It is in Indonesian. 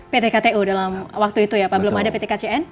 pt ktu dalam waktu itu ya pak belum ada pt kcn